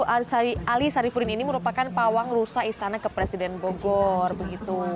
ali sarifuddin ini merupakan pawang rusak istana ke presiden bogor begitu